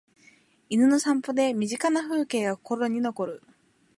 犬の散歩で身近な風景が心に残る